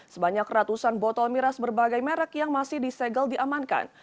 sebanyak ratusan botol miras berbagai merek yang masih disegel diamankan